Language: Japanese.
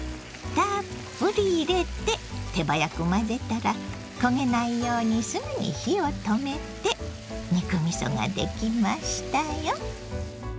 たっぷり入れて手早く混ぜたら焦げないようにすぐに火を止めて肉みそができましたよ。